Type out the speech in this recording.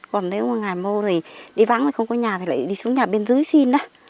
còn nếu ngày mô đi vắng không có nhà thì lại đi xuống nhà bên dưới xin